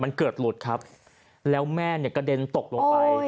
มันเกิดหลุดครับแล้วแม่เนี่ยกระเด็นตกลงไป